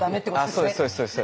そうですそうです。